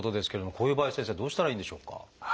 こういう場合は先生どうしたらいいんでしょうか？